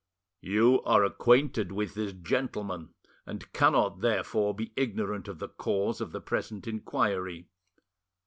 "You are acquainted with this gentleman, and cannot therefore be ignorant of the cause of the present inquiry."